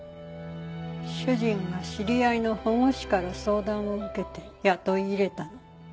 主人が知り合いの保護司から相談を受けて雇い入れたの。